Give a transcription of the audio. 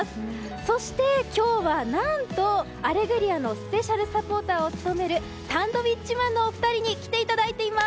そして、今日は何と「アレグリア」のスペシャルサポーターを務めるサンドウィッチマンのお二人に来ていただいてます！